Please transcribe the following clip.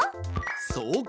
そうか。